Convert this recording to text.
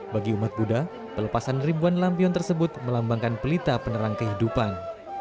bagi umat buddha pelepasan ribuan lampion tersebut melambangkan pelita penerang kehidupan